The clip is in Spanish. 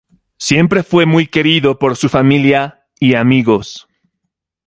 Siempre fue muy querido por su familia y amigos.